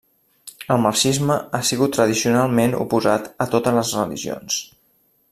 El marxisme ha sigut tradicionalment oposat a totes les religions.